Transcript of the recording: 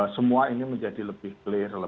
supaya semua ini menjadi lebih clear lebih jelas